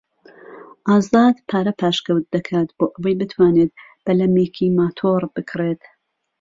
ئازاد پارە پاشەکەوت دەکات بۆ ئەوەی بتوانێت بەلەمێکی ماتۆڕ بکڕێت.